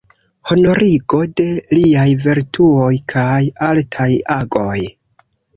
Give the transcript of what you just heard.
Honorigo de liaj vertuoj kaj altaj agoj.